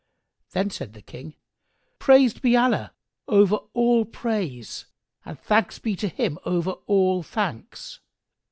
Then said the King, "Praised be Allah over all praise and thanks be to Him over all thanks!